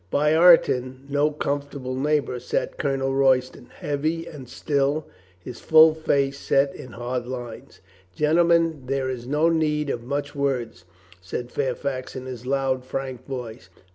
By Ireton — no comfortable neigh bor— sat Colonel Royston, heavy and still, his full face set in hard lines. "Gentlemen, there is no need of much words," said Fairfax in his loud frank voice.